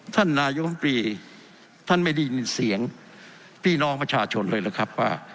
ท่านนายกรรมตรีท่านไม่ได้ยินเสียงพี่น้องประชาชนเลยหรือครับว่า